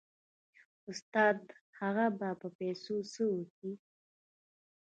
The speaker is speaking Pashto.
استاده هغه به په پيسو څه وکي.